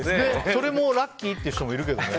それもラッキーって人もいるけどね。